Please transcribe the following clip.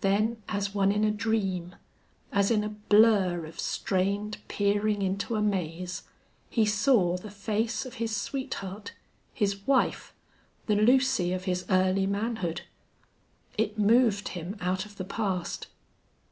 Then, as one in a dream, as in a blur of strained peering into a maze, he saw the face of his sweetheart, his wife, the Lucy of his early manhood. It moved him out of the past.